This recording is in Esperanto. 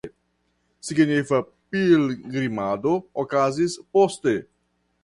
Signifa pilgrimado okazis poste.